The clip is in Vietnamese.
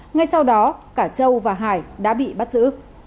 ngay sau đó cả châu và hải đã bị bắt giữ